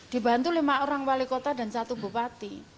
dibantu lima orang palikota dan satu bupati